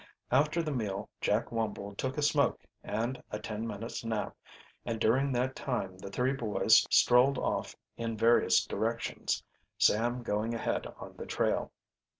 After the meal Jack Wumble took a smoke and a ten minutes' nap, and during that time the three boys strolled off in various directions, Sam going ahead on the trail.